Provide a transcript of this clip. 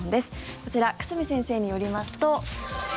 こちら久住先生によりますと。